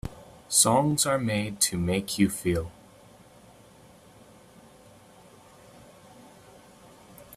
Songs are made to make you feel.